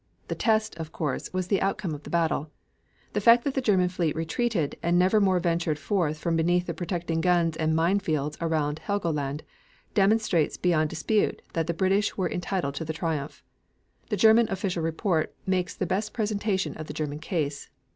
The test, of course, was the outcome of the battle. The fact that the German fleet retreated and nevermore ventured forth from beneath the protecting guns and mine fields around Helgoland, demonstrates beyond dispute that the British were entitled to the triumph. The German official report makes the best presentation of the German case.